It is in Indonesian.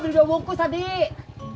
beli dua bungkus adik